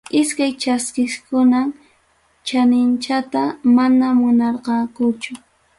Iskay chaskiqkunam chaninchata mana munarqakuchu.